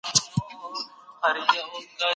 سياست علم د بشري تاريخ په اوږدو کي پړاوونه وهلي دي.